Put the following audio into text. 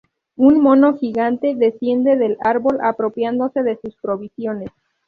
Un mono gigante desciende del árbol apropiándose de sus provisiones.